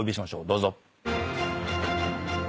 どうぞ。